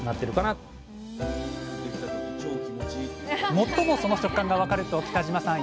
最もその食感が分かると北嶋さん